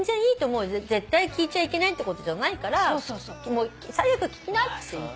絶対聞いちゃいけないってことじゃないから最悪聞きなって言って。